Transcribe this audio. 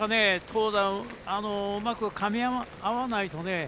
投打うまくかみ合わないとね。